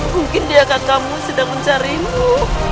mungkin dia kakakmu sedang mencarimu